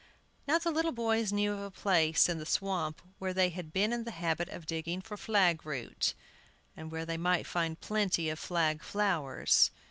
Now the little boys knew of a place in the swamp where they had been in the habit of digging for "flag root," and where they might find plenty of flag flowers.